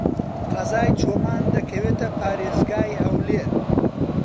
قەزای چۆمان دەکەوێتە پارێزگای هەولێر.